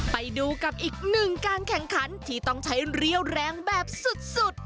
ไปดูกับอีกหนึ่งการแข่งขันที่ต้องใช้เรี่ยวแรงแบบสุด